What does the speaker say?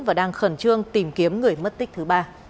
và đang khẩn trương tìm kiếm người mất tích thứ ba